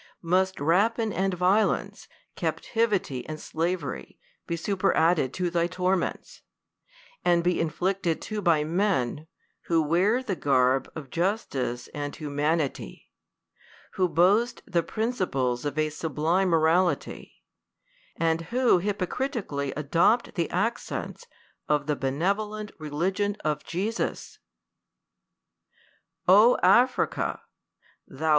Must rapine and violence, captivity and slavery, be superad ded to thy torments ; and be inflicted too by men, who wear the garb of justice and humanity ; who boast the jirinciples of a sublime morality ; and who hypocrit ically adopt the accents of the benevolent religion of Jesus ? Oh Africa